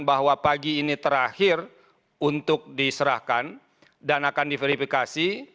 bahwa pagi ini terakhir untuk diserahkan dan akan diverifikasi